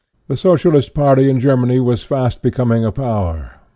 The So cialist party in Germany was fast becoming a power.